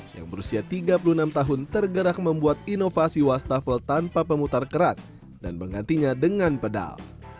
yang berusia tiga puluh enam tahun tergerak membuat inovasi wastafel tanpa pemutar kerat dan menggantinya dengan pedal